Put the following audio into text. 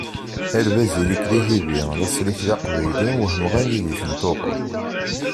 A lbaz ili-k d ihibi, laṣel-ik d aqbayli wehmeɣ anida i ten-tuɣeḍ?